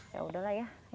ya udah lah ini